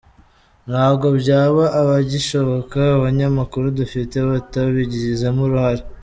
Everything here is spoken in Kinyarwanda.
Ntabwo byab abigishoboka, abanyamakuru dufite batabigizemo uruhare.